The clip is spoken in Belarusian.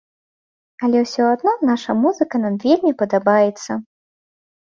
Але ўсё адно наша музыка нам вельмі падабаецца.